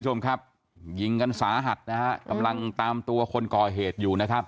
คุณผู้ชมครับยิงกันสาหัสนะฮะกำลังตามตัวคนก่อเหตุอยู่นะครับ